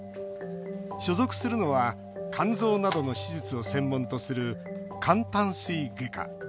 所属するのは肝臓などの手術を専門とする肝胆膵外科。